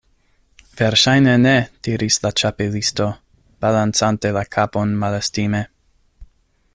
"Verŝajne ne," diris la Ĉapelisto, balancante la kapon malestime.